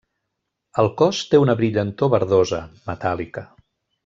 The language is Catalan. El cos té una brillantor verdosa, metàl·lica.